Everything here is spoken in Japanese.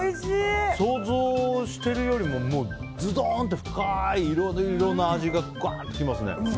想像しているよりもズドーン！といろいろな味がガーンときますね。